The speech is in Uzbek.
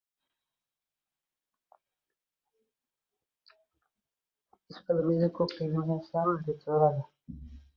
Ishqilib, meni ko‘p qiynamaysanmi? — deb so‘radi.